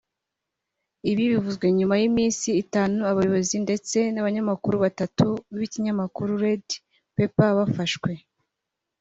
Ibi bivuzwe nyuma y’iminsi itanu abayobozi ndetse n’abanyamakuru batatu b’ikinyamakuru Red Pepper bafashwe